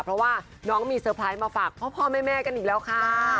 เพราะว่าน้องมีเตอร์ไพรส์มาฝากพ่อแม่กันอีกแล้วค่ะ